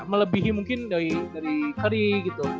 melebihi mungkin dari hari gitu